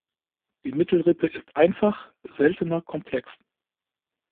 Die Mittelrippe ist einfach, seltener komplex.